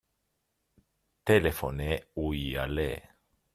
téléphoner ou y aller.